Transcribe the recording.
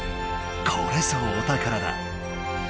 これぞお宝だ。